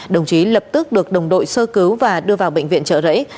đồng chí lập tức được đồng đội sơ cứu và đưa vào bệnh viện trợ rẫy